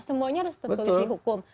semuanya harus tertulis di hukum